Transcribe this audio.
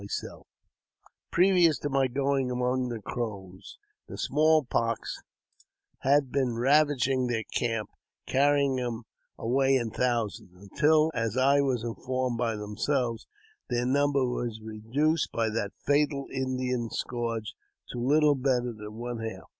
148 AUTOBIOGBAPHY OF Previous to my going among the Crows, the small pox had been ravaging their camp, carrying them away in thousands, until, as I was informed by themselves, their nmnber was reduced by that fatal Indian scourge to little better than one half.